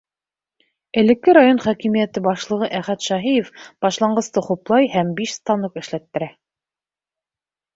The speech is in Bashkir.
Элекке район хакимиәте башлығы Әхәт Шаһиев башланғысты хуплай һәм биш станок эшләттерә.